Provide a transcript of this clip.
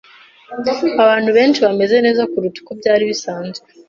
Abantu benshi bameze neza kuruta uko byari bisanzwe.